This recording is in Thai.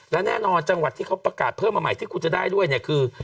และแน่นอนจังหวัดที่เขาประกาศเพิ่มมาใหม่ที่คุณจะได้ด้วยเนี่ยคือ